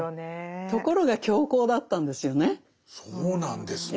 ところが強行だったんですよね。